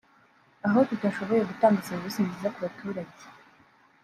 aho tutashoboye gutanga serivisi nziza ku baturage’